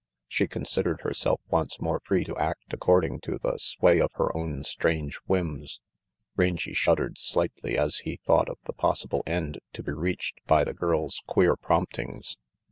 She considered herself once more free to act according to the sway of her own strange whims. Rangy shuddered slightly as he thought of the possible end to be reached by the girl's queer promptings.